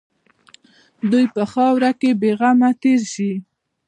دوی په خاوره کې بېغمه تېر شي.